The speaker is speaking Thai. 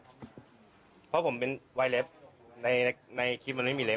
เพราะผมเป็นวัยเล็บในคลิปมันไม่มีเล็บ